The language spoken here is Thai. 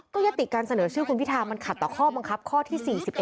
ยติการเสนอชื่อคุณพิธามันขัดต่อข้อบังคับข้อที่๔๑